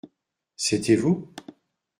C’était vous ?